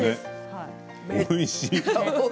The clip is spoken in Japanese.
おいしい。